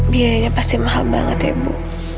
biayanya pasti mahal banget ya bu